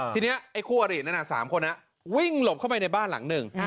ทีเนี่ยคู่อรินั่นแหละ๓คนนะวิ่งหลบเข้าไปในบ้านหลังหนึ่ง